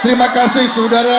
terima kasih saudara